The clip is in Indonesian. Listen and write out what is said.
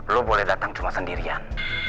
lo boleh datang cuma sendirian